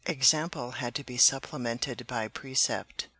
Example had to be supplemented by precept.